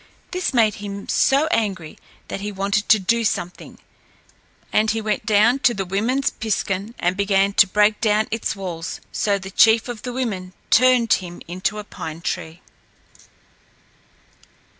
This made him so angry that he wanted to do something, and he went down to the woman's piskun and began to break down its walls, so the chief of the women turned him into a pine tree.